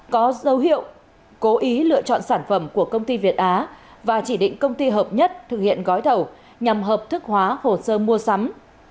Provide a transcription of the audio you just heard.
có dấu hiệu cố ý lựa chọn sản phẩm của công ty việt á và chỉ định công ty hợp nhất thực hiện gói thầu nhằm hợp thức hóa hồ sơ mua sắm